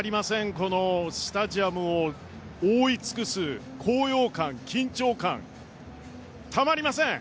このスタジアムを覆い尽くす高揚感、緊張感たまりません。